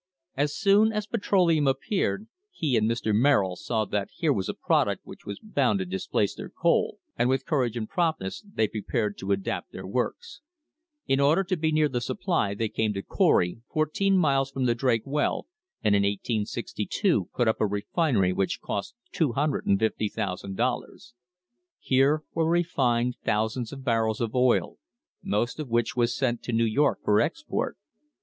As soon as petroleum appeared le and Mr. Merrill saw that here was a product which was Dound to displace their coal, and with courage and prompt less they prepared to adapt their works. In order to be near :he supply they came to Corry, fourteen miles from the Drake veil, and in 1862 put up a refinery which cost $250,000. Here vere refined thousands of barrels of oil, most of which was sent to New York for export.